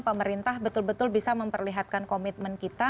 pemerintah betul betul bisa memperlihatkan komitmen kita